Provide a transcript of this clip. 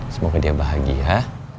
semoga dia bahagia